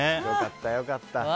良かった良かった。